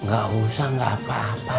gak usah nggak apa apa